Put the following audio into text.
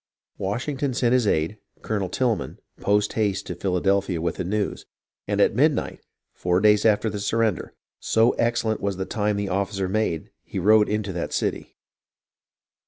Washington sent his aide, Colonel Tilghman, post haste to Philadelphia with the news, and at midnight, four days after the surrender, so excellent was the time the officer made, he rode into that city.